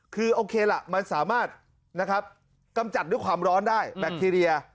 คือโอเคล่ะมันสามารถนะครับกำจัดด้วยความร้อนได้แบคทีเรีย